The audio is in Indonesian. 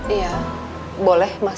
iya boleh mas